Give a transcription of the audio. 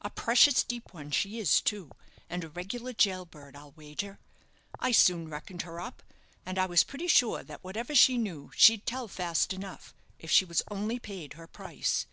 A precious deep one she is, too; and a regular jail bird, I'll wager. I soon reckoned her up; and I was pretty sure that whatever she knew she'd tell fast enough, if she was only paid her price.